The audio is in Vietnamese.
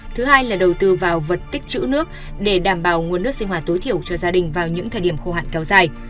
thứ hai là đầu tư vào vật tích chữ nước để đảm bảo nguồn nước sinh hoạt tối thiểu cho gia đình vào những thời điểm khô hạn kéo dài